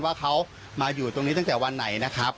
ว่าเขามาอยู่ตรงนี้ตั้งแต่วันไหนนะครับ